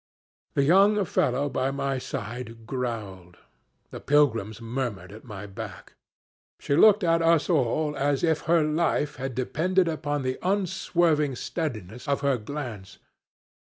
The young fellow by my side growled. The pilgrims murmured at my back. She looked at us all as if her life had depended upon the unswerving steadiness of her glance.